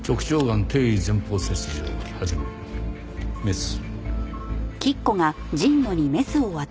メス。